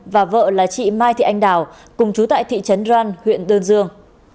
và vợ là chị mai thị anh đào cùng chú tại thị trấn đoan huyện đơn dương